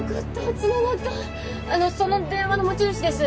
つながったあのその電話の持ち主です